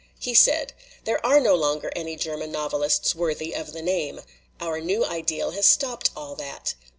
"He said: 'There are no longer any German novelists worthy of the name. Our new ideal has stopped all that.